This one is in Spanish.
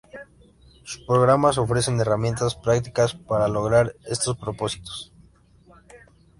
Sus programas ofrecen herramientas prácticas para lograr estos propósitos.